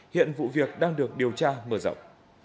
hiện vụ việc đang được điều tra mở rộng